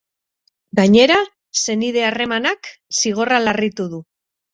Gainera, senide harremanak zigorra larritu du.